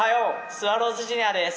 スワローズジュニアです。